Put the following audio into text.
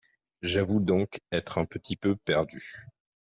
J’avoue donc être un petit peu perdu.